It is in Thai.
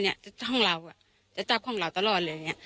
ไม่เป็นบอกใครเลย